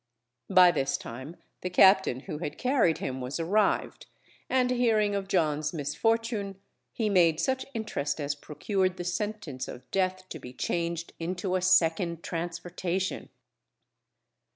By this time the captain who had carried him was arrived, and hearing of John's misfortune, he made such interest as procured the sentence of death to be changed into a second transportation.